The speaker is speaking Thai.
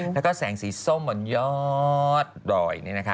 แล้วก็แสงสีส้มบนยอดดอย